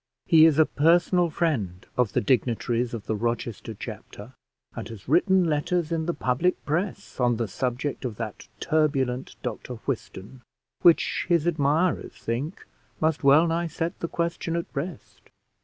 He is a personal friend of the dignitaries of the Rochester Chapter, and has written letters in the public press on the subject of that turbulent Dr Whiston, which, his admirers think, must well nigh set the question at rest.